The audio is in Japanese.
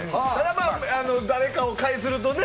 まあ誰かを介するとね。